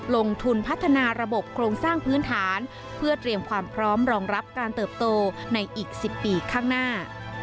ลงทุนพัฒนาระบบโครงสร้างพื้นฐานเพื่อเตรียมความพร้อมรองรับการเติบโตในอีก๑๐ปีข้างหน้า